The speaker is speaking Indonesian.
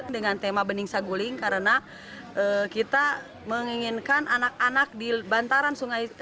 dengan tema bening saguling karena kita menginginkan anak anak di bantaran sungai